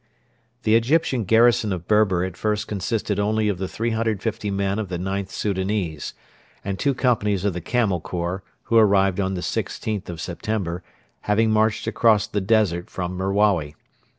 The Egyptian garrison of Berber at first consisted only of the 350 men of the IXth Soudanese, and two companies of the Camel Corps, who arrived on the 16th of September, having marched across the desert from Merawi.